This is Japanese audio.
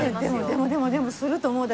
でもでもでもすると思う。